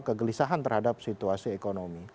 kegelisahan terhadap situasi ekonomi